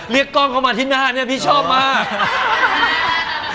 กล้องเข้ามาที่หน้าเนี่ยพี่ชอบมาก